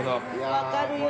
わかるよ。